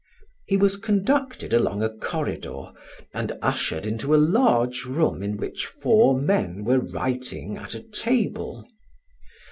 He was conducted along a corridor and ushered into a large room in which four men were writing at a table.